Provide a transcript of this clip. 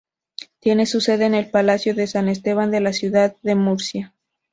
Tiene su sede en el Palacio de San Esteban de la ciudad de Murcia.